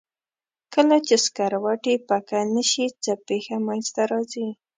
کله چې سکروټې پکه نه شي څه پېښه منځ ته راځي؟